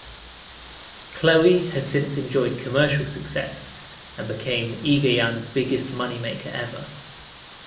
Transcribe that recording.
"Chloe" has since enjoyed commercial success and became Egoyan's biggest moneymaker ever.